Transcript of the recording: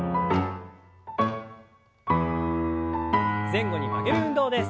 前後に曲げる運動です。